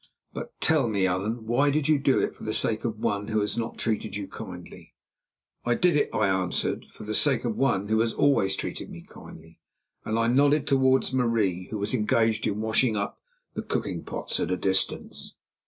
"But tell me, Allan, why did you do it for the sake of one who has not treated you kindly?" "I did it," I answered, "for the sake of one who has always treated me kindly," and I nodded towards Marie, who was engaged in washing up the cooking pots at a distance.